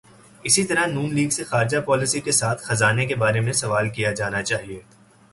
اسی طرح ن لیگ سے خارجہ پالیسی کے ساتھ خزانے کے بارے میں سوال کیا جانا چاہیے۔